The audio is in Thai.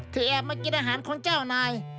แอบมากินอาหารของเจ้านาย